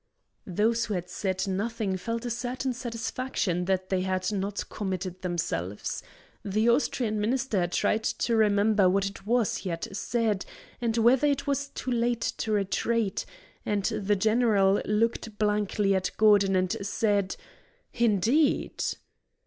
Those who had said nothing felt a certain satisfaction that they had not committed themselves. The Austrian Minister tried to remember what it was he had said, and whether it was too late to retreat, and the general looked blankly at Gordon and said, "Indeed?"